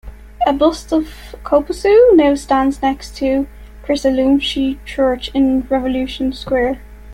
A bust of Coposu now stands next to Kretzulescu Church, in Revolution Square.